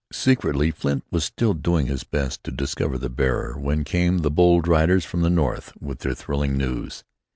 Secretly Flint was still doing his best to discover the bearer when came the bold riders from the north with their thrilling news.